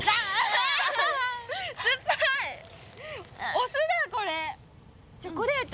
お酢だこれ！